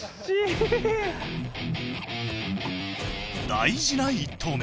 大事な１投目。